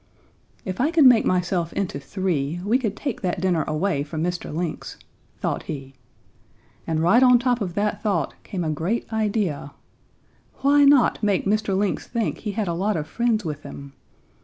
"'If I could make myself into three, we could take that dinner away from Mr. Lynx!" thought he, and right on top of that thought came a great idea. Why not make Mr. Lynx think he had a lot of friends with him?